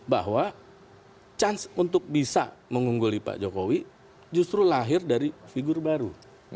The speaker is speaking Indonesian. bahwa chance untuk bisa mengungguli pak jokowi justru lahir dari figur baru